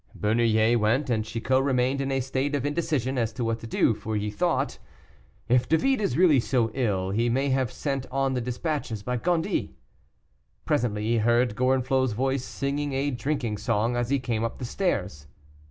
Bernouillet went, and Chicot remained in a state of indecision as to what to do, for he thought, "If David is really so ill, he may have sent on the despatches by Gondy." Presently he heard Gorenflot's voice, singing a drinking song as he came up the stairs.